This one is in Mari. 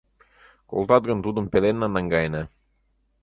Колтат гын, тудым пеленна наҥгаена.